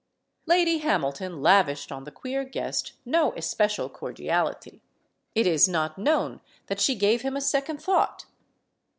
Lady Hamilton lavished on the queer guest no especial cordiality. It is not known that she gave him a second thought.